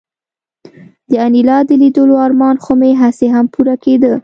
د انیلا د لیدو ارمان خو مې هسې هم پوره کېده